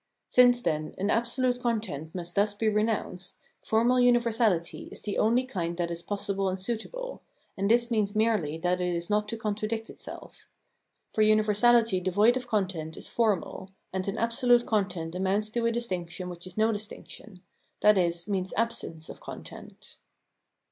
Since, then, an absolute content must thus be re nounced, formal universality is the only kind that is Reason as Lawgiver 417 possible and suitable, and this means merely that it is not to contradict itself. For universality devoid of content is formal ; and an absolute content amounts to a distinction which is no distinction, i.e. means absence of content.